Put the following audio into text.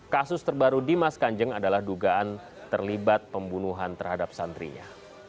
kasus terbaru dimas kanjeng adalah dugaan terlibat pembunuhan terhadap santrinya